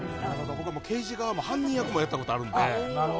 僕は刑事側も犯人役もやったことあるんで。